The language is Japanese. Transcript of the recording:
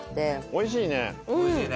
おいしいね。